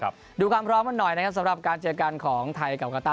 ดูความพร้อมกันหน่อยนะครับสำหรับการเจอกันของไทยกับกาต้า